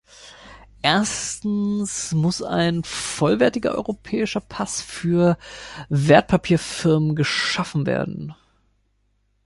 Erstens muss ein vollwertiger europäischer Pass für Wertpapierfirmen geschaffen werden.